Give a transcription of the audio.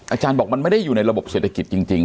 อาจารย์บอกมันไม่ได้อยู่ในระบบเศรษฐกิจจริง